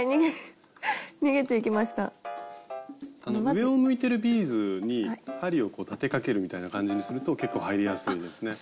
上を向いてるビーズに針を立てかけるみたいな感じにすると結構入りやすいですね。